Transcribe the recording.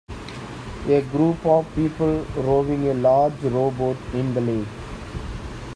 a group of people rowing a large rowboat in the lake.